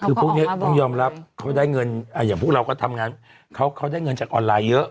คือพวกนี้ต้องยอมรับเขาได้เงินอย่างพวกเราก็ทำงานเขาได้เงินจากออนไลน์เยอะ